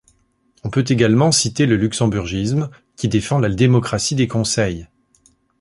On peut également citer le luxemburgisme, qui défend la démocratie des conseils.